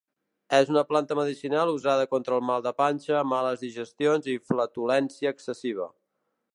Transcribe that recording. És una planta medicinal usada contra el mal de panxa, males digestions i flatulència excessiva.